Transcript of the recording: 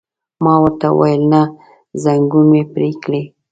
ما ورته وویل: نه، ځنګون مې پرې کړئ.